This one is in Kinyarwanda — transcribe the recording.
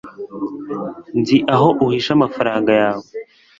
nzi aho uhisha amafaranga yawe